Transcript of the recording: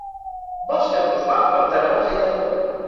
Vols fer-los mal com te n'han fet a tu.